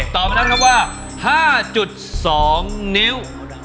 ตอบนั้นนะครับว่า๕๒นิ้ว